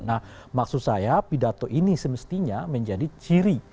nah maksud saya pidato ini semestinya menjadi ciri